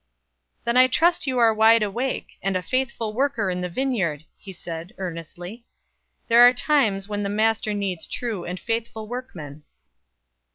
"Then I trust you are wide awake, and a faithful worker in the vineyard," he said, earnestly. "These are times when the Master needs true and faithful workmen."